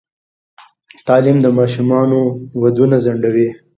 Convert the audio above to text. تعلیم د ماشومانو ودونه ځنډوي.